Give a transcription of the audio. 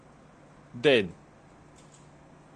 撚